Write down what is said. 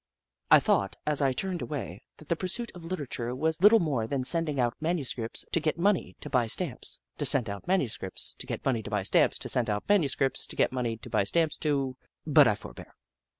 I thought, as I turned away, that the pursuit of literature was little more than sending out manuscripts to get money to buy stamps to send out manuscripts to get money to buy stamps to send out manu scripts to get money to buy stamps to — but I forbear.